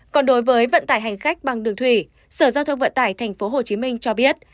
còn đối với vận tải hành khách bằng đường thủy sở giao thông vận tải tp hcm cho biết